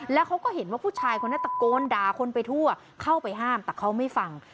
แล้วเขาก็เห็นว่าผู้ชายคนนั้นตะโกนด่าคนไปทั่วเข้าไปห้ามแต่เขาไม่ฟัง